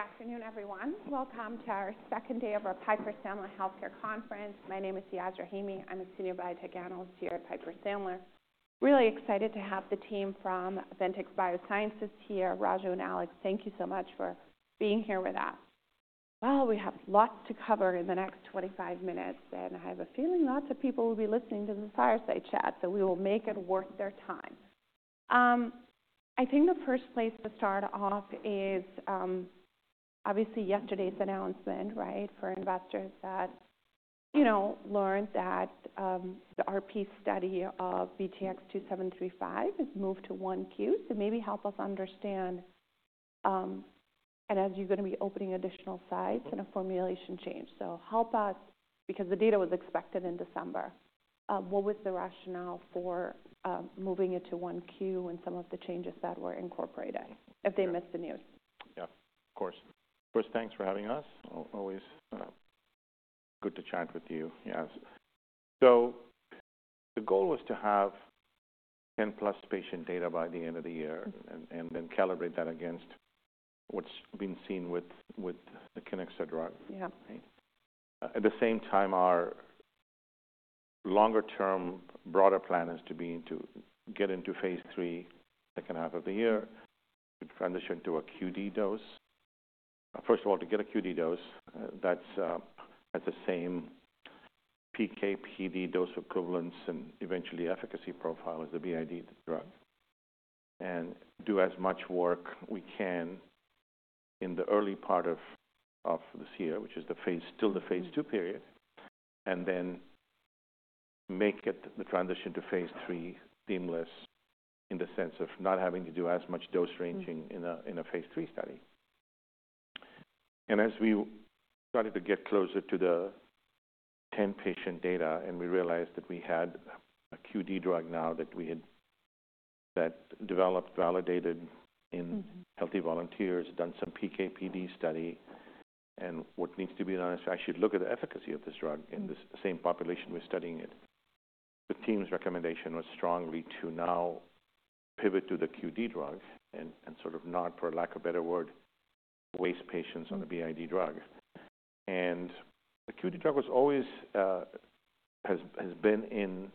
Good afternoon, everyone. Welcome to our second day of our Piper Sandler Healthcare Conference. My name is Yasmeen Rahimi. I'm a Senior Biotech Analyst here at Piper Sandler. Really excited to have the team from Ventyx Biosciences here, Raju and Alex, thank you so much for being here with us. Well, we have lots to cover in the next 25 minutes, and I have a feeling lots of people will be listening to this fireside chat, so we will make it worth their time. I think the first place to start off is, obviously, yesterday's announcement, right, for investors that, you know, learned that the RP study of VTX2735 has moved to 1Q. So maybe help us understand, and as you're going to be opening additional sites and a formulation change, so help us, because the data was expected in December. What was the rationale for moving it to 1Q and some of the changes that were incorporated if they missed the news? Yeah, of course. First, thanks for having us. Always good to chat with you. Yes. So the goal was to have 10+ patient data by the end of the year and then calibrate that against what's been seen with the Kiniksa drug. Yeah. At the same time, our longer-term broader plan is to get into phase III, second half of the year, to transition to a QD dose. First of all, to get a QD dose, that's the same PK/PD dose equivalence and eventually efficacy profile as the BID drug, and do as much work we can in the early part of this year, which is still the phase II period, and then make the transition to phase III seamless in the sense of not having to do as much dose ranging in a phase III study, and as we started to get closer to the 10-patient data and we realized that we had a QD drug now that we had developed, validated in healthy volunteers, done some PK/PD study, and what needs to be done is actually to look at the efficacy of this drug in the same population we're studying it. The team's recommendation was strongly to now pivot to the QD drug and sort of not, for lack of a better word, waste patients on the BID drug. The QD drug has always been in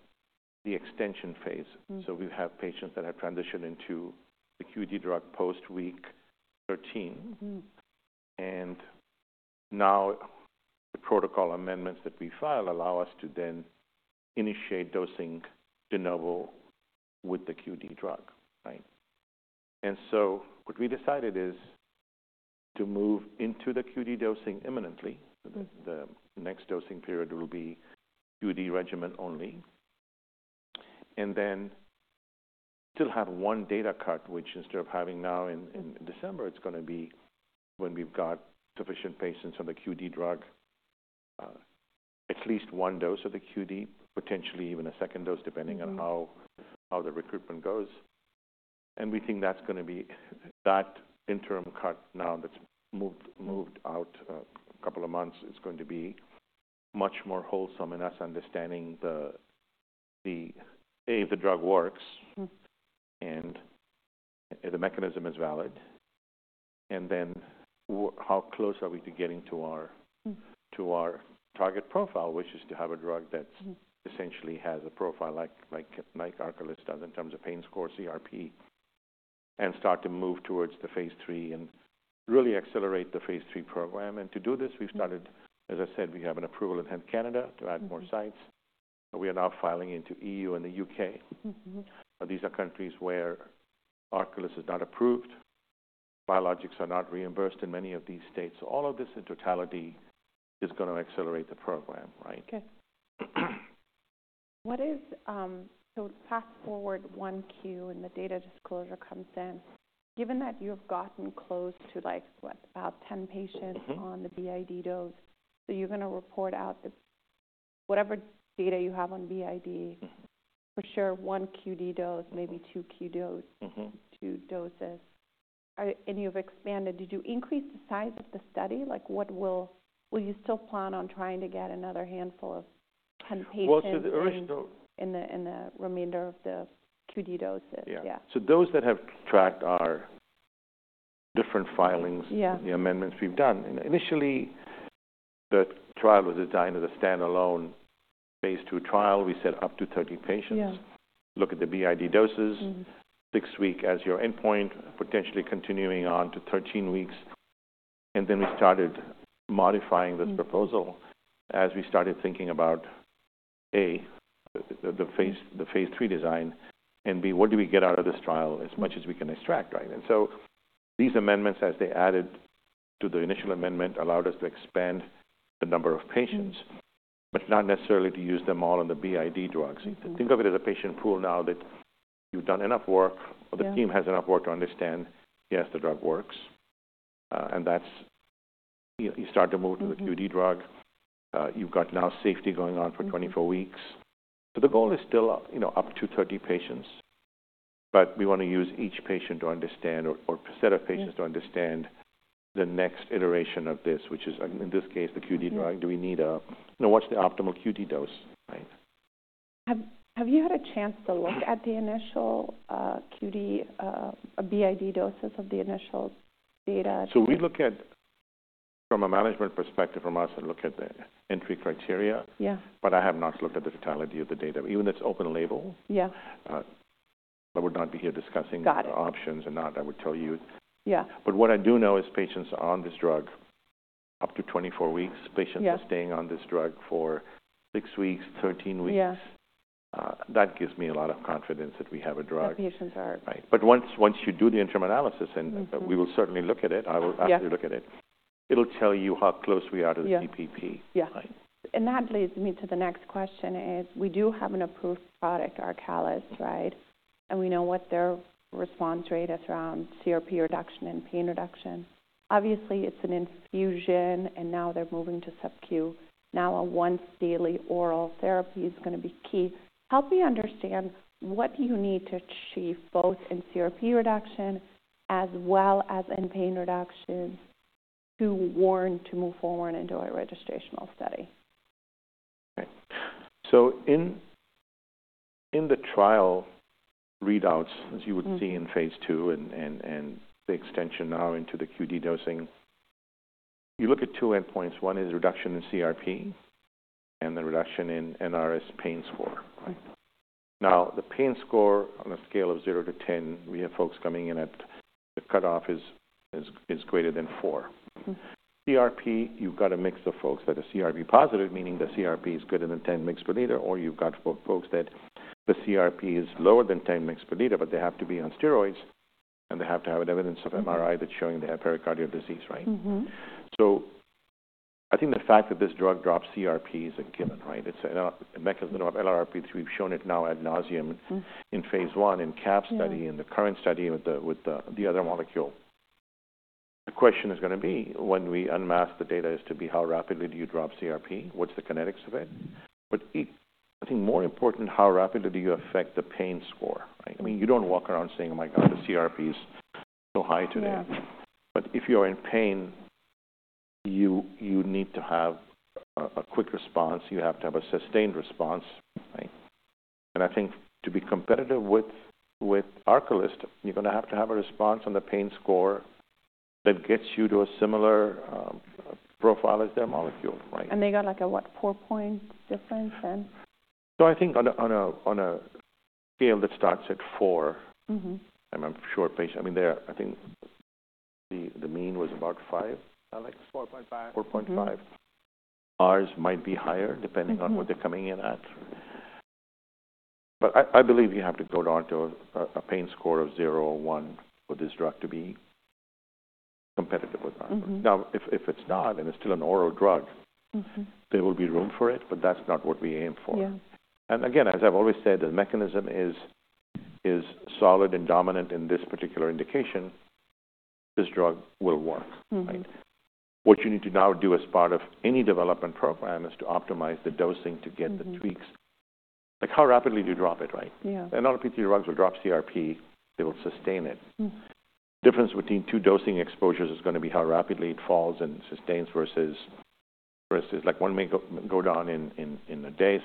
the extension phase. We have patients that have transitioned into the QD drug post week 13, and now the protocol amendments that we file allow us to then initiate dosing de novo with the QD drug, right? What we decided is to move into the QD dosing imminently. The next dosing period will be QD regimen only, and then still have one data cut, which instead of having now in December, it's going to be when we've got sufficient patients on the QD drug, at least one dose of the QD, potentially even a second dose depending on how the recruitment goes. And we think that's going to be that interim cut now that's moved out a couple of months is going to be much more fulsome in our understanding the A, the drug works and the mechanism is valid, and then how close are we to getting to our target profile, which is to have a drug that essentially has a profile like Arcalyst does in terms of pain score CRP, and start to move towards the phase III and really accelerate the phase III program. And to do this, we've started, as I said, we have an approval in Health Canada to add more sites. We are now filing into E.U. and the U.K. These are countries where Arcalyst is not approved. Biologics are not reimbursed in many of these states. All of this in totality is going to accelerate the program, right? Okay. So fast forward 1Q and the data disclosure comes in. Given that you have gotten close to, like, what, about 10 patients on the BID dose, so you're going to report out whatever data you have on BID, for sure one QD dose, maybe two QD dose, two doses. And you've expanded. Did you increase the size of the study? Like, will you still plan on trying to get another handful of 10 patients? So the original. In the remainder of the QD doses? Yeah. So those that have tracked our different filings, the amendments we've done. Initially, the trial was designed as a standalone phase II trial. We said up to 30 patients, look at the BID doses, six weeks as your endpoint, potentially continuing on to 13 weeks. And then we started modifying this proposal as we started thinking about, A, the phase III design, and B, what do we get out of this trial as much as we can extract, right? And so these amendments, as they added to the initial amendment, allowed us to expand the number of patients, but not necessarily to use them all on the BID drugs. Think of it as a patient pool now that you've done enough work, or the team has enough work to understand, yes, the drug works. And you start to move to the QD drug. You've got now safety going on for 24 weeks. So the goal is still up to 30 patients, but we want to use each patient to understand, or set of patients to understand the next iteration of this, which is, in this case, the QD drug. Do we need a—what's the optimal QD dose, right? Have you had a chance to look at the initial QD, BID doses of the initial data? So we look at, from a management perspective from us, and look at the entry criteria, but I have not looked at the totality of the data. Even if it's open label, I would not be here discussing the options and not, I would tell you. But what I do know is patients on this drug up to 24 weeks, patients are staying on this drug for six weeks, 13 weeks. That gives me a lot of confidence that we have a drug. That patients are. Right. But once you do the interim analysis, and we will certainly look at it, I will absolutely look at it, it'll tell you how close we are to the TPP. Yeah. And that leads me to the next question is we do have an approved product, Arcalyst, right? And we know what their response rate is around CRP reduction and pain reduction. Obviously, it's an infusion, and now they're moving to SubQ. Now a once-daily oral therapy is going to be key. Help me understand what you need to achieve both in CRP reduction as well as in pain reduction to warrant to move forward into a registrational study? Right. So in the trial readouts, as you would see in phase II and the extension now into the QD dosing, you look at two endpoints. One is reduction in CRP and the reduction in NRS pain score. Now, the pain score on a scale of 0-10, we have folks coming in at the cutoff is greater than 4. CRP, you've got a mix of folks that are CRP positive, meaning the CRP is greater than 10 mg/L, or you've got folks that the CRP is lower than 10 mg/L, but they have to be on steroids, and they have to have evidence of MRI that's showing they have pericardial disease, right? So I think the fact that this drug drops CRP is a given, right? It's a mechanism of NLRP3. We've shown it now ad nauseam in phase I in CAPS study and the current study with the other molecule. The question is going to be, when we unmask the data, is to be how rapidly do you drop CRP? What's the kinetics of it? But I think more important, how rapidly do you affect the pain score, right? I mean, you don't walk around saying, "Oh my God, the CRP is so high today." But if you're in pain, you need to have a quick response. You have to have a sustained response, right? And I think to be competitive with Arcalyst, you're going to have to have a response on the pain score that gets you to a similar profile as their molecule, right? They got like a, what, four-point difference then? I think on a scale that starts at four, I'm sure patients—I mean, I think the mean was about five, Alex? 4.5. 4.5. Ours might be higher depending on what they're coming in at, but I believe you have to go down to a pain score of zero or one for this drug to be competitive with Arcalyst. Now, if it's not and it's still an oral drug, there will be room for it, but that's not what we aim for, and again, as I've always said, the mechanism is solid and dominant in this particular indication. This drug will work, right? What you need to now do as part of any development program is to optimize the dosing to get the tweaks. Like, how rapidly do you drop it, right, and a lot of PT drugs will drop CRP. They will sustain it. The difference between two dosing exposures is going to be how rapidly it falls and sustains versus like one may go down in a day.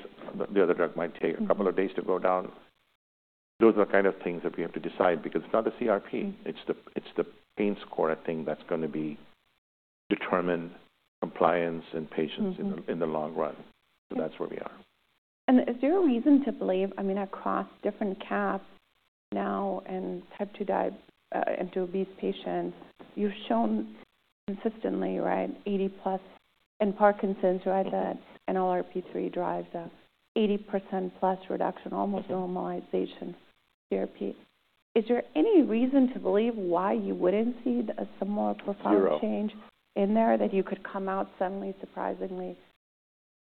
The other drug might take a couple of days to go down. Those are the kind of things that we have to decide because it's not the CRP. It's the pain score thing that's going to determine compliance in patients in the long run. So that's where we are. Is there a reason to believe, I mean, across different CAPS now and type 2 diabetes patients, you've shown consistently, right, 80%+ in Parkinson's, right, and all our NLRP3 drugs are 80%+ reduction, almost normalization CRP. Is there any reason to believe why you wouldn't see a similar profile change in there that you could come out suddenly, surprisingly,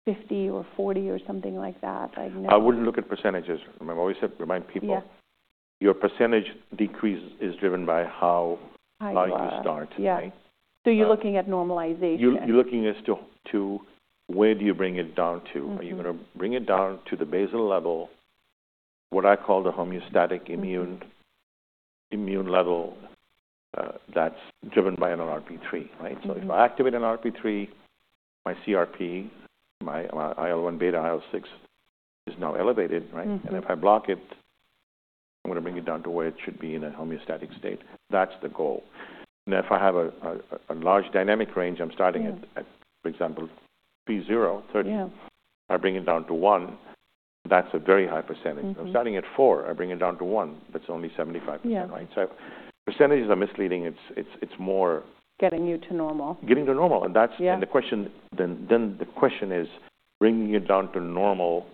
50 or 40 or something like that? I wouldn't look at percentages. Remember, I always remind people, your percentage decrease is driven by how high you start, right? So you're looking at normalization? You're looking still to where do you bring it down to? Are you going to bring it down to the basal level, what I call the homeostatic immune level that's driven by an NLRP3, right? So if I activate an NLRP3, my CRP, my IL-1 beta, IL-6 is now elevated, right? And if I block it, I'm going to bring it down to where it should be in a homeostatic state. That's the goal. Now, if I have a large dynamic range, I'm starting at, for example, T0 30. I bring it down to one. That's a very high percentage. If I'm starting at four, I bring it down to one. That's only 75%, right? So percentages are misleading. It's more. Getting you to normal. Getting to normal, and the question is, bringing it down to normal, what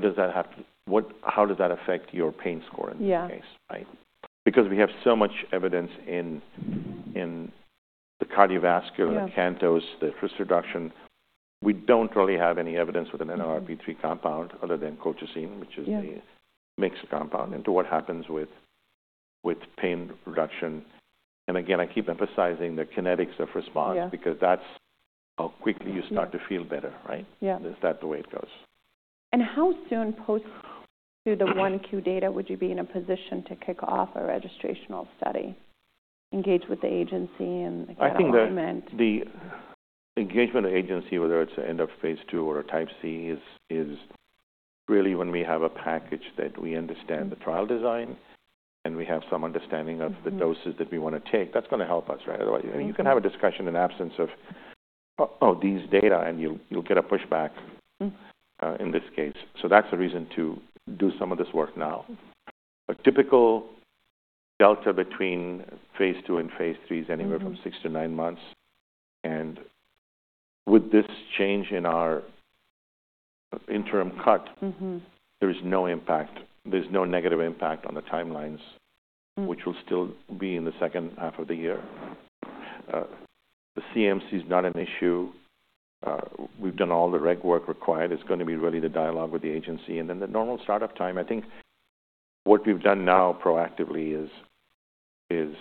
does that have to, how does that affect your pain score in this case, right? Because we have so much evidence in the cardiovascular, the CANTOS, the risk reduction. We don't really have any evidence with an NLRP3 compound other than colchicine, which is the mixed compound, into what happens with pain reduction. And again, I keep emphasizing the kinetics of response because that's how quickly you start to feel better, right? That's the way it goes. How soon post the 1Q data would you be in a position to kick off a registrational study, engage with the agency and the government? I think the engagement of the agency, whether it's the end of phase II or a type C, is really when we have a package that we understand the trial design and we have some understanding of the doses that we want to take. That's going to help us, right? Otherwise, you can have a discussion in absence of, "Oh, these data," and you'll get a pushback in this case. That's the reason to do some of this work now. A typical delta between phase II and phase III is anywhere from six to nine months. With this change in our interim cut, there is no impact. There's no negative impact on the timelines, which will still be in the second half of the year. The CMC is not an issue. We've done all the reg work required. It's going to be really the dialogue with the agency. And then the normal startup time, I think what we've done now proactively is,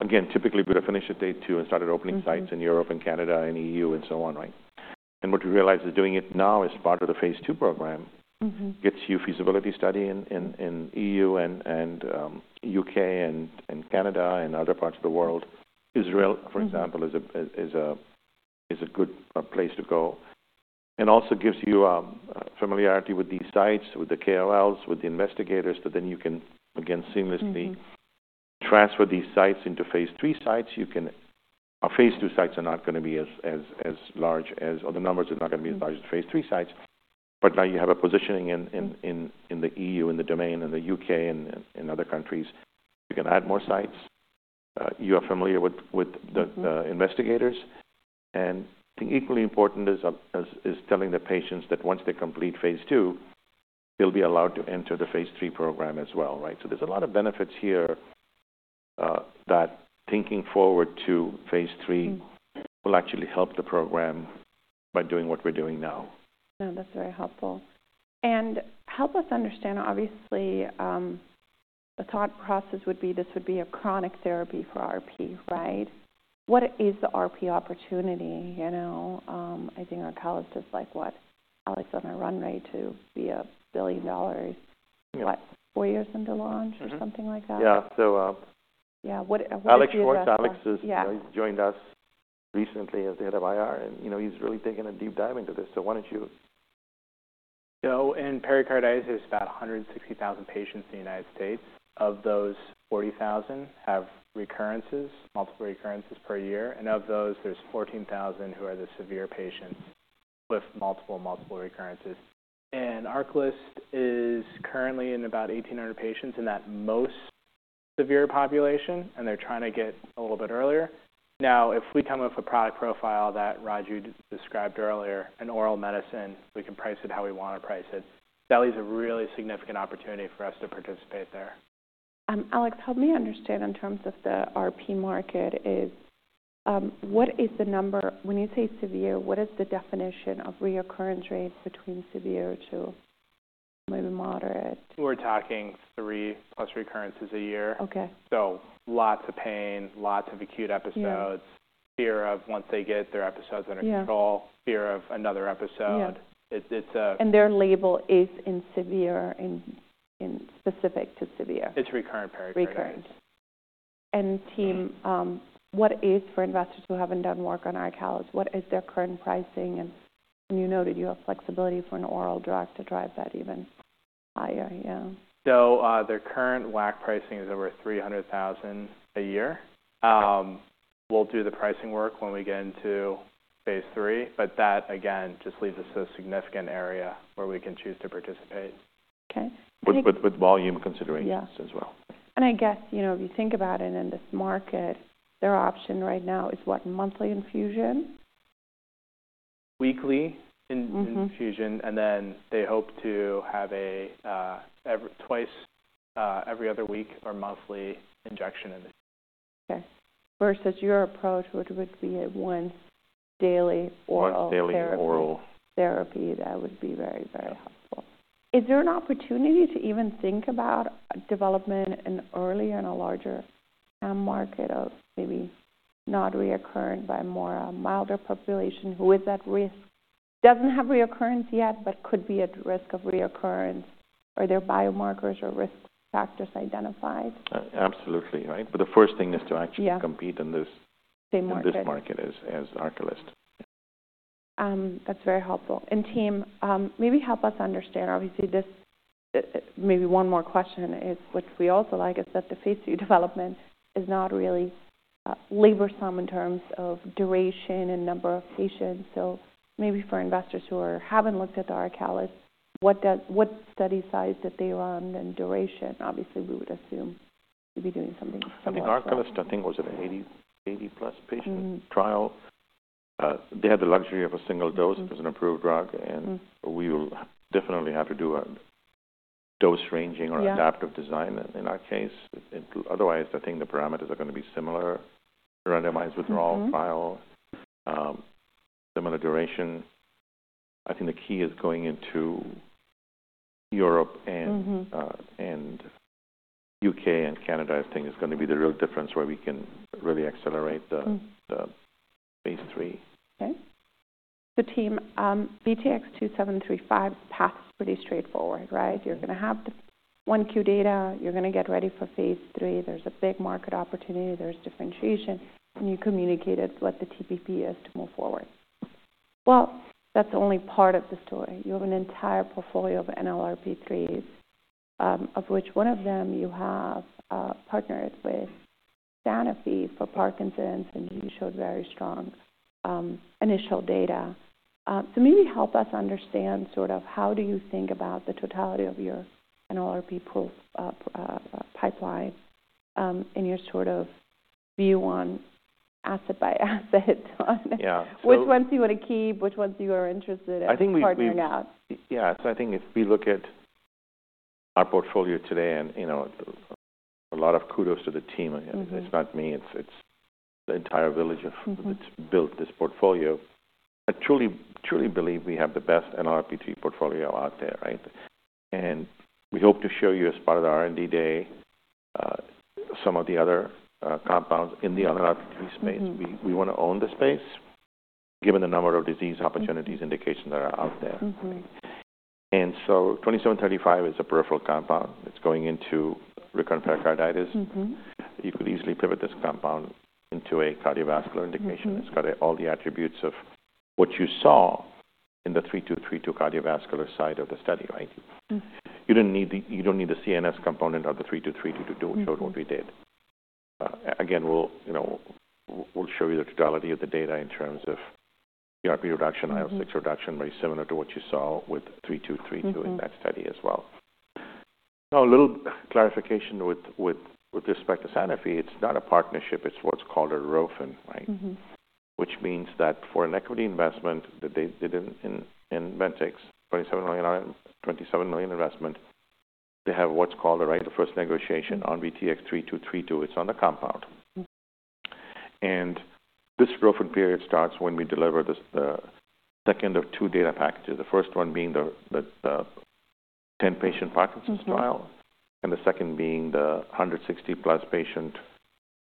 again, typically we would have finished at day two and started opening sites in Europe and Canada and E.U. and so on, right? And what we realized is doing it now as part of the phase II program gets you a feasibility study in E.U. and U.K. and Canada and other parts of the world. Israel, for example, is a good place to go. And also gives you familiarity with these sites, with the KOLs, with the investigators that then you can, again, seamlessly transfer these sites into phase III sites. Phase II sites are not going to be as large as, or the numbers are not going to be as large as phase III sites. But now you have a positioning in the E.U., in Canada, in the U.K., and in other countries. You can add more sites. You are familiar with the investigators, and I think equally important is telling the patients that once they complete phase II, they'll be allowed to enter the phase III program as well, right, so there's a lot of benefits here that thinking forward to phase III will actually help the program by doing what we're doing now. No, that's very helpful. And help us understand, obviously, the thought process would be this would be a chronic therapy for RP, right? What is the RP opportunity? I think Arcalyst is like what, Alex, on a runway to be $1 billion, what, four years into launch or something like that? Yeah. So. Yeah. What is the? Alex Schwartz, Alex has joined us recently as the head of IR, and he's really taken a deep dive into this. So why don't you? In pericarditis, there's about 160,000 patients in the United States. Of those, 40,000 have recurrences, multiple recurrences per year. Of those, there's 14,000 who are the severe patients with multiple, multiple recurrences. Arcalyst is currently in about 1,800 patients in that most severe population, and they're trying to get a little bit earlier. Now, if we come up with a product profile that Raju described earlier, an oral medicine, we can price it how we want to price it. That leaves a really significant opportunity for us to participate there. Alex, help me understand in terms of the RP market, is what is the number when you say severe, what is the definition of recurrence rate between severe to maybe moderate? We're talking three plus recurrences a year. So lots of pain, lots of acute episodes, fear of once they get their episodes under control, fear of another episode. It's a. Their label is in severe and specific to severe? It's recurrent pericarditis. Recurrent. And team, what is for investors who haven't done work on Arcalyst? What is their current pricing? And you noted you have flexibility for an oral drug to drive that even higher, yeah. Their current WAC pricing is over $300,000 a year. We'll do the pricing work when we get into phase III, but that, again, just leaves us a significant area where we can choose to participate. Okay. With volume considering as well. And I guess if you think about it in this market, their option right now is what, monthly infusion? Weekly infusion, and then they hope to have a twice every other week or monthly injection in. Okay. Versus your approach, which would be a once-daily oral therapy. Once-daily oral. Therapy, that would be very, very helpful. Is there an opportunity to even think about development in an earlier and a larger market of maybe not recurrent but a milder population who is at risk, doesn't have recurrence yet, but could be at risk of recurrence? Are there biomarkers or risk factors identified? Absolutely, right? But the first thing is to actually compete in this market as Arcalyst. That's very helpful. And team, maybe help us understand, obviously, maybe one more question is what we also like is that the phase II development is not really laborsome in terms of duration and number of patients. So maybe for investors who haven't looked at the Arcalyst, what study size did they run and duration? Obviously, we would assume you'd be doing something similar. I think Arcalyst, I think, was an 80+ patient trial. They had the luxury of a single dose as an approved drug, and we will definitely have to do a dose ranging or adaptive design in our case. Otherwise, I think the parameters are going to be similar, randomized withdrawal trial, similar duration. I think the key is going into Europe and U.K. and Canada, I think, is going to be the real difference where we can really accelerate the phase III. Okay. So team, VTX2735 path is pretty straightforward, right? You're going to have the 1Q data. You're going to get ready for phase III. There's a big market opportunity. There's differentiation. Can you communicate what the TPP is to move forward? Well, that's only part of the story. You have an entire portfolio of NLRP3s, of which one of them you have partnered with Sanofi for Parkinson's, and you showed very strong initial data. So maybe help us understand sort of how do you think about the totality of your NLRP3 proof pipeline in your sort of view on asset by asset? Which ones do you want to keep? Which ones do you are interested in partnering out? So I think if we look at our portfolio today, and a lot of kudos to the team. It's not me. It's the entire village that's built this portfolio. I truly, truly believe we have the best NLRP3 portfolio out there, right? And we hope to show you as part of the R&D Day some of the other compounds in the NLRP3 space. We want to own the space given the number of disease opportunities indications that are out there. And so 2735 is a peripheral compound. It's going into recurrent pericarditis. You could easily pivot this compound into a cardiovascular indication. It's got all the attributes of what you saw in the 3232 cardiovascular side of the study, right? You don't need the CNS component of the 3232 to do what we did. Again, we'll show you the totality of the data in terms of CRP reduction, IL-6 reduction, very similar to what you saw with 3232 in that study as well. Now, a little clarification with respect to Sanofi. It's not a partnership. It's what's called a ROFN, right? Which means that for an equity investment that they did in Ventyx, $27 million investment, they have what's called a right of first negotiation on VTX3232. It's on the compound. And this ROFN period starts when we deliver the second of two data packages, the first one being the 10-patient Parkinson's trial and the second being the 160+ patient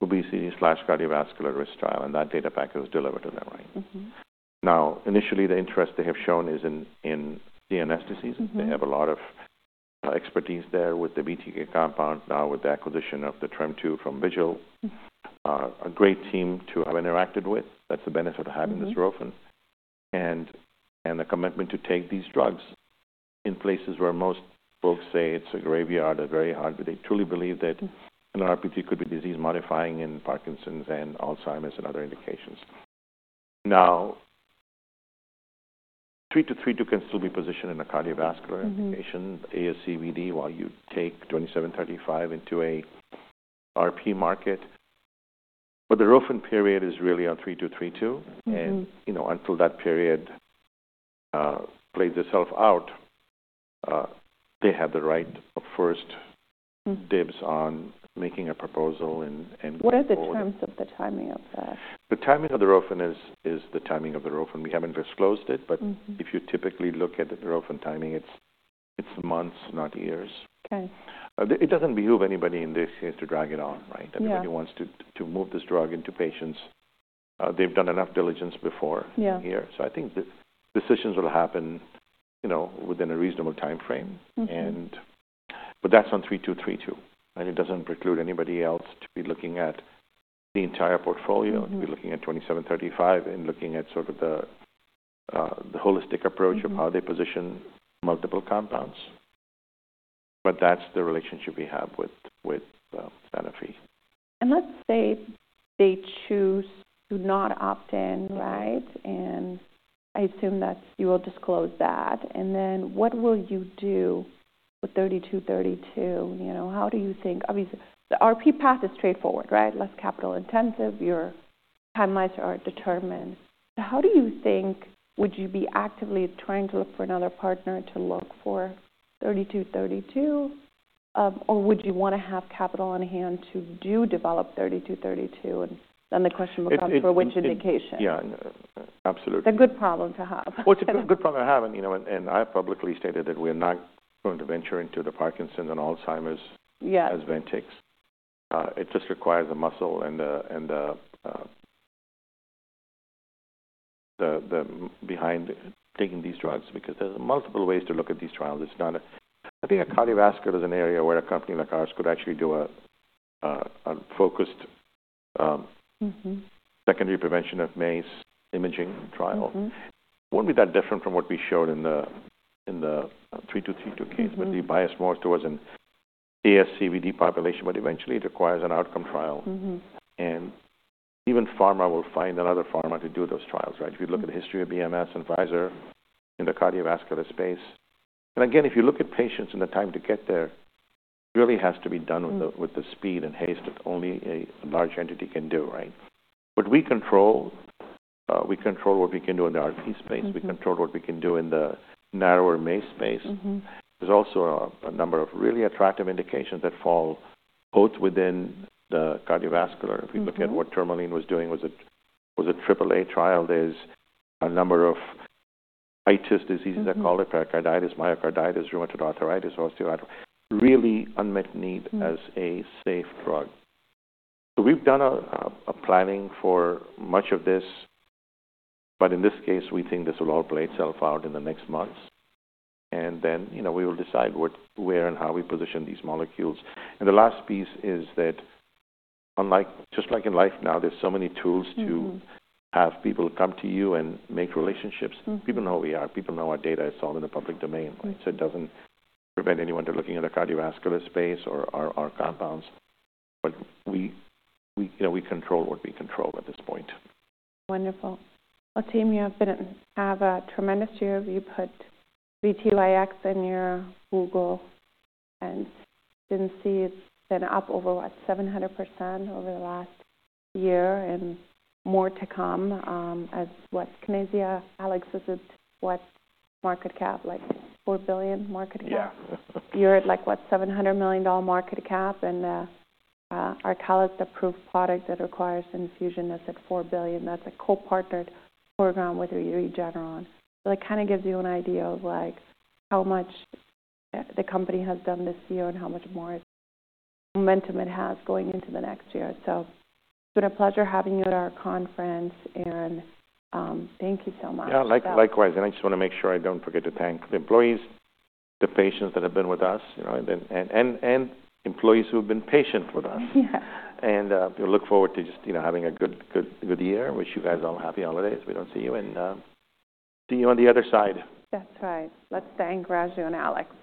obesity/cardiovascular risk trial. And that data packet was delivered to them, right? Now, initially, the interest they have shown is in CNS disease. They have a lot of expertise there with the BTK compound, now with the acquisition of the TREM2 from Vigil. A great team to have interacted with. That's the benefit of having this ROFN and the commitment to take these drugs in places where most folks say it's a graveyard, a very hard. They truly believe that NLRP3 could be disease-modifying in Parkinson's and Alzheimer's and other indications. Now, 3232 can still be positioned in a cardiovascular indication, ASCVD, while you take 2735 into an RP market. But the ROFN period is really on 3232, and until that period plays itself out, they have the right of first dibs on making a proposal and. What are the terms of the timing of that? The timing of the ROFN is the timing of the ROFN. We haven't disclosed it, but if you typically look at the ROFN timing, it's months, not years. It doesn't behoove anybody in this case to drag it on, right? I mean, anyone who wants to move this drug into patients, they've done enough diligence before in here. So I think decisions will happen within a reasonable timeframe. But that's on 3232, and it doesn't preclude anybody else to be looking at the entire portfolio, to be looking at 2735 and looking at sort of the holistic approach of how they position multiple compounds. But that's the relationship we have with Sanofi. And let's say they choose to not opt in, right? And I assume that you will disclose that. And then what will you do with 3232? How do you think? Obviously, the RP path is straightforward, right? Less capital-intensive. Your timelines are determined. How do you think would you be actively trying to look for another partner to look for 3232, or would you want to have capital on hand to do develop 3232? And then the question will come for which indication. Yeah. Absolutely. It's a good problem to have. It's a good problem to have, and I have publicly stated that we're not going to venture into the Parkinson's and Alzheimer's as Ventyx. It just requires a muscle and the bandwidth taking these drugs because there's multiple ways to look at these trials. I think cardiovascular is an area where a company like ours could actually do a focused secondary prevention of MACE imaging trial. It wouldn't be that different from what we showed in the 3232 case, but we biased more towards an ASCVD population, but eventually, it requires an outcome trial. And even pharma will find another pharma to do those trials, right? If you look at the history of BMS and Pfizer in the cardiovascular space. Again, if you look at patients and the time to get there, it really has to be done with the speed and haste that only a large entity can do, right? But we control what we can do in the RP space. We control what we can do in the narrower MACE space. There's also a number of really attractive indications that fall both within the cardiovascular. If we look at what Tourmaline was doing, it was an AAA trial. There's a number of itis diseases, I call it, pericarditis, myocarditis, rheumatoid arthritis, osteoarthritis, really unmet need as a safe drug. So we've done a planning for much of this, but in this case, we think this will all play itself out in the next months. Then we will decide where and how we position these molecules. The last piece is that, just like in life now, there's so many tools to have people come to you and make relationships. People know who we are. People know our data. It's all in the public domain, right? So it doesn't prevent anyone from looking at the cardiovascular space or our compounds. But we control what we control at this point. Wonderful. Well, team, you have a tremendous year. You put VTYX in your Google and didn't see it's been up over, what, 700% over the last year and more to come. What's Kiniksa? Alex, is it what market cap? Like $4 billion market cap? Yeah. You're at like, what, $700 million market cap? And Arcalyst is the approved product that requires infusion. It's at $4 billion. That's a co-partnered program with Regeneron. So it kind of gives you an idea of how much the company has done this year and how much more momentum it has going into the next year. So it's been a pleasure having you at our conference, and thank you so much. Yeah. Likewise. And I just want to make sure I don't forget to thank the employees, the patients that have been with us, and employees who have been patient with us. And we look forward to just having a good year. Wish you guys all happy holidays. We don't see you and see you on the other side. That's right. Let's thank Raju and Alex.